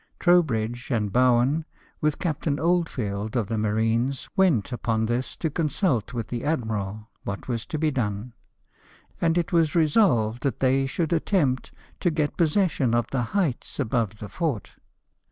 Trowbridge and Bo wen, Avith Captain Oldfield of the marines, went upon this to consult with the admiral what was to be done ; and it was resolved that they should attempt to get possession of the heights above the fort.